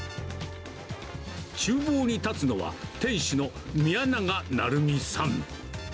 ちゅう房に立つのは、店主の宮永成美さん。